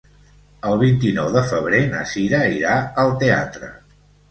El vint-i-nou de febrer na Cira irà al teatre.